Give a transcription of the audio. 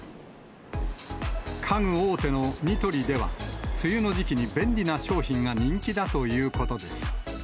家具大手のニトリでは、梅雨の時期に便利な商品が人気だということです。